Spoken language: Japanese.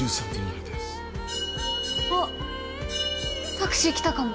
タクシー来たかも。